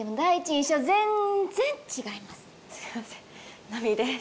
すいませんナミです。